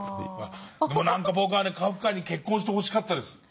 でも僕はカフカに結婚してほしかったです。